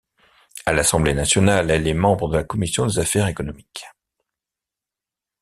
À l'Assemblée nationale, elle est membre de la commission des Affaires économiques.